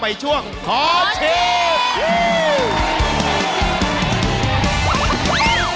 ใหม่ช่วงขอเชียบ